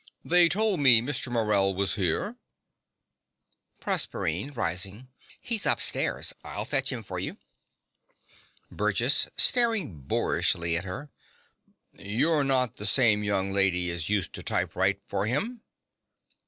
They told me Mr. Morell was here. PROSERPINE (rising). He's upstairs. I'll fetch him for you. BURGESS (staring boorishly at her). You're not the same young lady as used to typewrite for him?